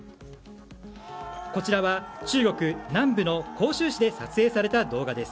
こちらは、中国・南部の広州市で撮影された動画です。